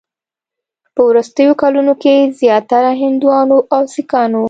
په وروستیو کلونو کې زیاتره هندوانو او سیکانو